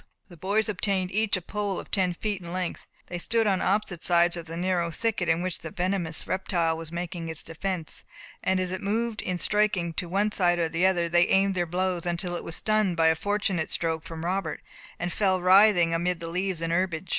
The boys obtained each a pole of ten feet in length. They stood on opposite sides of the narrow thicket in which the venomous reptile was making its defence, and as it moved, in striking, to the one side or the other, they aimed their blows, until it was stunned by a fortunate stroke from Robert, and fell writhing amid the leaves and herbage.